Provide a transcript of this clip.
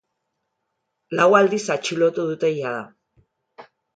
Lau aldiz atxilotu dute jada.